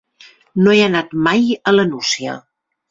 No he anat mai a la Nucia.